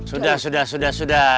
sudah sudah sudah sudah